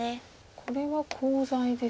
これはコウ材ですか？